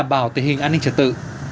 bảo tình hình an ninh trật tự